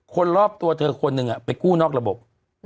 คนรอบตัวเธอคนหนึ่งไปกู้นอกระบบ